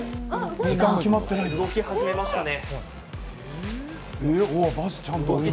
動き始めましたね。